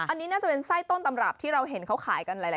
อันนี้น่าจะเป็นไส้ต้นตำรับที่เราเห็นเขาขายกันหลาย